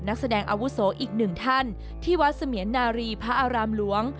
นักแสดงอาวุโสอีกหนึ่งท่านที่วัดเสมียนนารีพระอารามหลวง